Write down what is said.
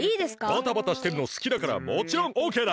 バタバタしてるのすきだからもちろんオッケーだ！